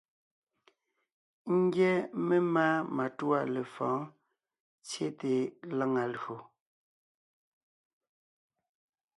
Ńgyɛ́ memáa matûa lefɔ̌ɔn tsyete lǎŋa lÿò.